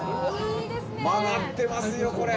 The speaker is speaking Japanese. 曲がってますよこれ。